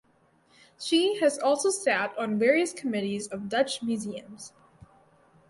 She has also sat on various committees of Dutch museums.